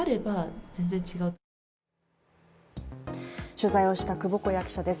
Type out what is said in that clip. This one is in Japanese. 取材をした窪小谷記者です。